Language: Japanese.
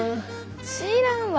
知らんわ。